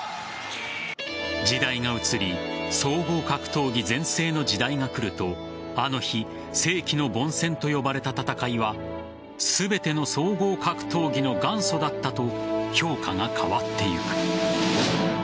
時代が移り総合格闘技全盛の時代が来るとあの日世紀の凡戦と呼ばれた戦いは全ての総合格闘技の元祖だったと評価が変わっていく。